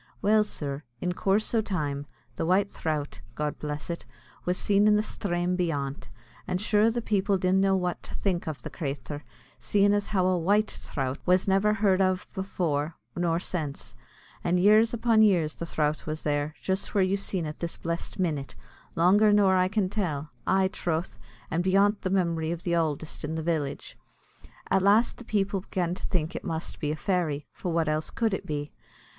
Well, sir, in coorse o' time, the White Throut, God bless it, was seen in the sthrame beyant, and sure the people didn't know what to think av the crathur, seein' as how a white throut was never heard av afor, nor since; and years upon years the throut was there, just where you seen it this blessed minit, longer nor I can tell aye throth, and beyant the memory o' th' ouldest in the village. At last the people began to think it must be a fairy; for what else could it be?